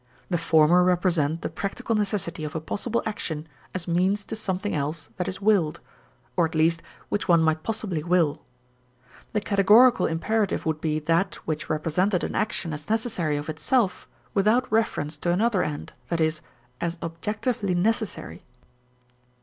The former represent the practical necessity of a possible action as means to something else that is willed (or at least which one might possibly will). The categorical imperative would be that which represented an action as necessary of itself without reference to another end, i.e., as objectively necessary.